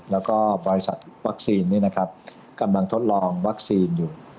แล้วก็บริษัทวัคซีนกำลังทดลองวัคซีนอยู่